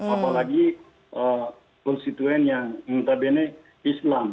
apalagi konstituen yang notabene islam